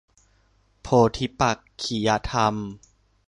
โพธิปักขิยธรรม